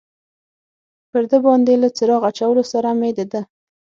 پر ده باندې له څراغ اچولو سره مې د ده.